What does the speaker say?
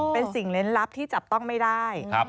เป็นสิ่งเล่นลับที่จับต้องไม่ได้